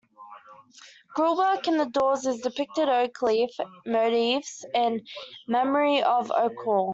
Grillwork in the doors depict oak leaf motifs in memory of Oak Hall.